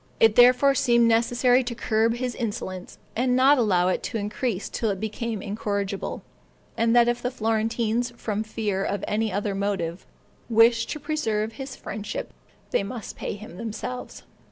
It therefore seemed necessary to curb his insolence, and not allow it to increase till it became incorrigible; and that if the Florentines, from fear or any other motive, wished to preserve his friendship, they must pay him themselves.